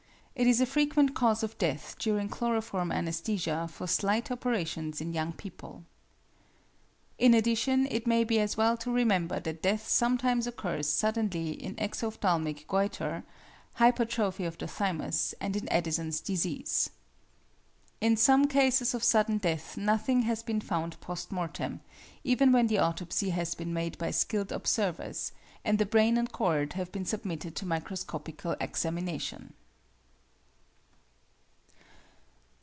It is a frequent cause of death during chloroform anæsthesia for slight operations in young people. In addition, it may be as well to remember that death sometimes occurs suddenly in exophthalmic goitre, hypertrophy of the thymus, and in Addison's disease. In some cases of sudden death nothing has been found post mortem, even when the autopsy has been made by skilled observers, and the brain and cord have been submitted to microscopical examination.